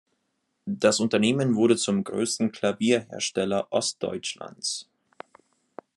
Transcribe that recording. Das Unternehmen wurde zum größten Klavierhersteller Ostdeutschlands.